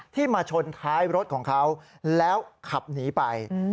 มาชนท้ายรถของเขาแล้วขับหนีไป